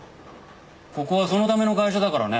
ここはそのための会社だからね。